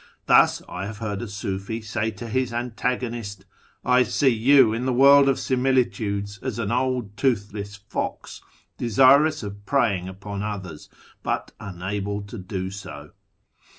Thus I have heard a Sufi say to his antagonist, " I see you in the World of Similitudes as an old toothless fox, desirous of preying upon others, but unable to do so."